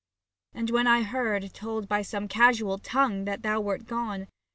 And when I heard, told by some casual tongue, That thou wert gone.